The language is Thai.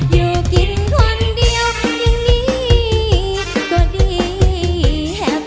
อยู่กินคนเดียวอย่างนี้ก็ดีแฮป